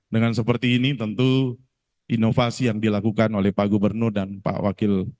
dengan seperti ini tentu inovasi yang dilakukan oleh pak gubernur dan pak wakil